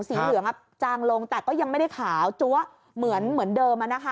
สีเหลืองจางลงแต่ก็ยังไม่ได้ขาวจั๊วเหมือนเดิม